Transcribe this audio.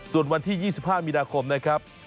ส่วนวันที่๒๕มีนาคมนะครับ